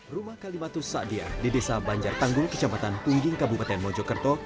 rumah kalimatus sakdia di desa banjar tanggul kecamatan pungging kabupaten mojokerto